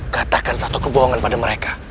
katakan satu kebohongan pada mereka